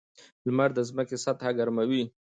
• لمر د ځمکې سطحه ګرموي.